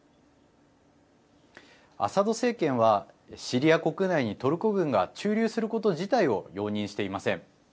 アサド政権はシリア国内にトルコ軍が駐留すること自体を容認していません。